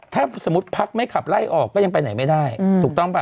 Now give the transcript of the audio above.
ถ้าสมมุติพักไม่ขับไล่ออกก็ยังไปไหนไม่ได้ถูกต้องป่ะ